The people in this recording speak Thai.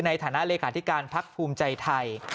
ในฐานะเลขาธิการพักภูมิใจไทย